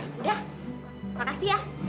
udah makasih ya